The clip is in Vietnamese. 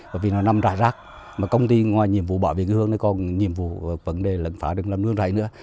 và vì nó nằm rải rác mà công ty ngoài nhiệm vụ bảo vệ cái hương này còn nhiệm vụ vấn đề lẫn phá đứng làm nước rải nữa